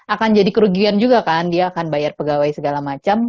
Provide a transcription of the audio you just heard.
akan jadi kerugian juga kan dia akan bayar pegawai segala macam